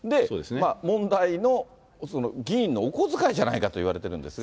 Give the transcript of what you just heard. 問題の議員のお小遣いじゃないかといわれてるんですが。